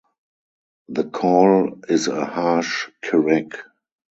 The call is a harsh "kereck".